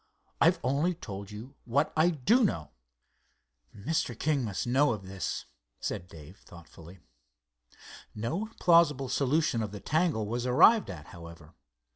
I've only told you what I do know." "Mr. King must know of this," said Dave, thoughtfully. No plausible solution of the tangle was arrived at, however.